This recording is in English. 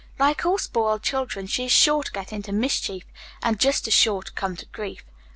"Like all spoiled children, she is sure to get into mischief, and just as sure to come to grief.